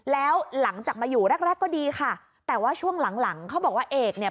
แล้วหลังจากมาอยู่แรกแรกก็ดีค่ะแต่ว่าช่วงหลังหลังเขาบอกว่าเอกเนี่ย